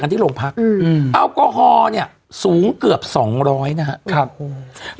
กันที่โรงพักษณ์อืมอัลกอฮอล์เนี้ยสูงเกือบสองร้อยนะฮะครับโอ้โห